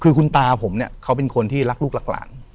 คือคุณตาผมเนี่ยเขาเป็นคนที่รักลูกรักหลาน